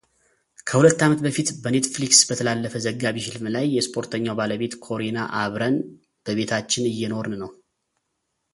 ከሁለት ዓመት በፊት በኔትፍሊክስ በተላለፈ ዘጋቢ ፊልም ላይ የስፖርተኛው ባለቤት ኮሪና አብረን በቤታችን እየኖርን ነው።